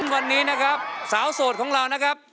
วันนี้นะครับสาวโสดของเรานะครับ